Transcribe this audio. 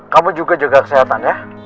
kamu juga jaga kesehatan ya